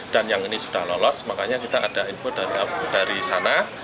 dan yang ini sudah lolos makanya kita ada input dari sana